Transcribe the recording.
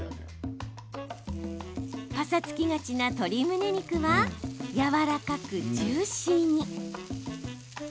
ぱさつきがちな鶏むね肉はやわらかくジューシーに。